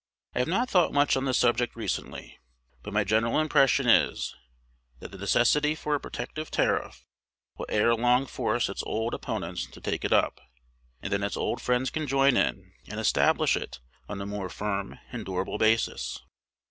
_ I have not thought much on the subject recently; but my general impression is, that the necessity for a protective tariff will ere long force its old opponents to take it up; and then its old friends can join in and establish it on a more firm and durable basis.